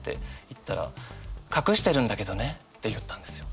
言ったら「隠してるんだけどね」って言ったんですよ。